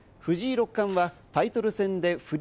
藤井六冠はタイトル戦で振り